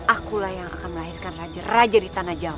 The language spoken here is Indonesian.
akulah yang akan melahirkan raja raja di tanah jawa